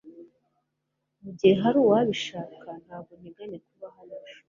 Mugihe hari uwabishaka ntabwo nteganya kuba hano ejo